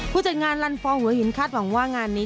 จัดงานลันฟองหัวหินคาดหวังว่างานนี้